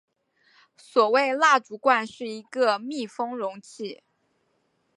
所谓蜡烛罐是一个密封容器。